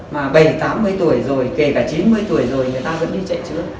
mà bảy mươi tám mươi tuổi rồi kể cả chín mươi tuổi rồi người ta vẫn đi chạy trượn